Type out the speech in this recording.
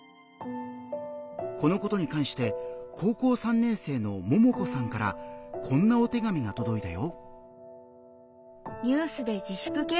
このことに関して高校３年生のももこさんからこんなお手紙がとどいたよ。